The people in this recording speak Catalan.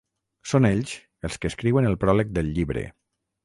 Són ells els que escriuen el pròleg del llibre.